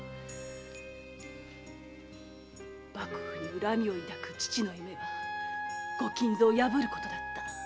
幕府に恨みを抱く父の夢はご金蔵を破ることだった。